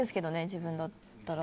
自分だったら。